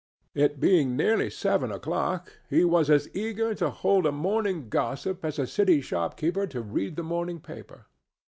It being nearly seven o'clock, he was as eager to hold a morning gossip as a city shopkeeper to read the morning paper.